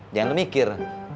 jangan lu mikir